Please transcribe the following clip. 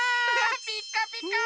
ピカピカ！